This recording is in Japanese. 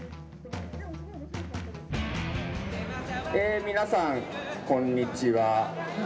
え皆さんこんにちは。